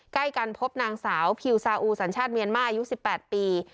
ใกล้กันพบนางสาวพิวซาอูสัญชาติเมียนมาอายุ๑๘ปี